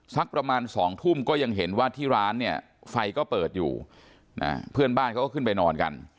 สักประมาณ๒ทุ่มก็ยังเห็นว่าที่ร้านเนี่ยไฟก็เปิดอยู่เพื่อนบ้านเขาก็ขึ้นไปนอนกัน